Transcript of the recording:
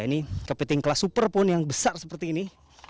ini kepiting kelas super pun yang besar seperti ini